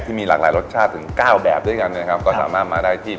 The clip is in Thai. มีหลากหลายรสชาติถึงเก้าแบบด้วยกันนะครับก็สามารถมาได้ที่